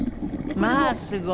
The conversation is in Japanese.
まあすごい！